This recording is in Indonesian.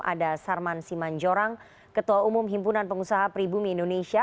ada sarman simanjorang ketua umum himpunan pengusaha peribumi indonesia